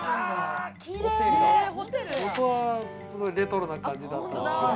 元はレトロな感じだったんですけど。